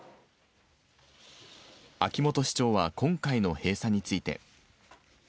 秋元市長は今回の閉鎖について。